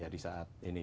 di saat ini